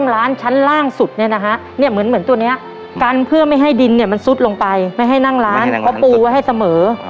ร้านชั้นล่างสุดเนี่ยนะฮะเนี่ยเหมือนตัวนี้กันเพื่อไม่ให้ดินเนี่ยมันซุดลงไปไม่ให้นั่งร้านเขาปูไว้ให้เสมอ